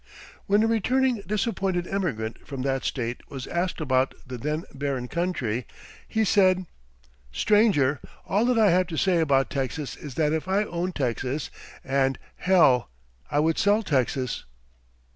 When a returning disappointed emigrant from that State was asked about the then barren country, he said: "Stranger, all that I have to say about Texas is that if I owned Texas and h l, I would sell Texas."